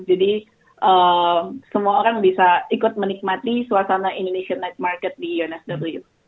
jadi semua orang bisa ikut menikmati suasana indonesian night market di unsw